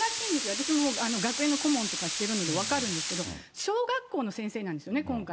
私も学園の顧問とかしてるんで分かるんですけど、小学校の先生なんですよね、今回。